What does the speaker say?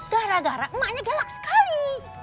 gara gara emaknya galak sekali